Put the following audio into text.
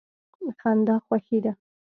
خندا خوښي ده.